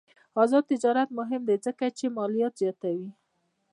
آزاد تجارت مهم دی ځکه چې مالیات زیاتوي.